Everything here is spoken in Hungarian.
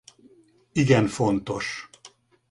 Igen fontos.